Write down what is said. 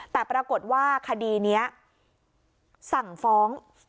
แต่ปรากฏว่าคดีนี้สั่งฟ้อง